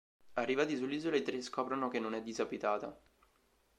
Arrivati sull'isola i tre scoprono che non è disabitata.